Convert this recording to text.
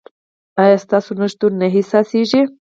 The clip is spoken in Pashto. ایا ستاسو نشتون نه احساسیږي؟